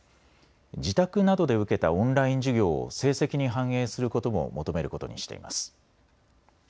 自宅などで受けたオンライン授業を成績に反映することも求めることにしています。